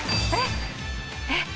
えっ？えっ。